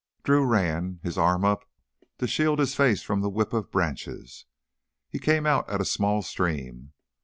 Drew ran, his arm up to shield his face from the whip of branches. He came out at a small stream.